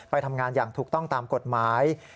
ไปทำงานอย่างถูกต้องตามกฎหมาย